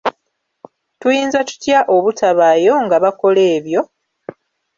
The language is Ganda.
Tuyinza tutya obutabaayo nga bakola ebyo?